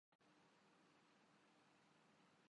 اپنی جانیں گنوائیں